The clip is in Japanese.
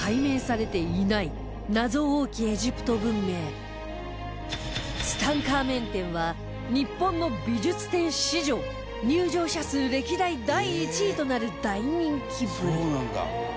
今なおツタンカーメン展は日本の美術展史上入場者数歴代第１位となる大人気ぶり